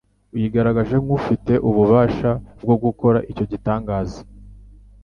wigaragaje nk’ufite ububasha bwo gukora icyo gitangaza;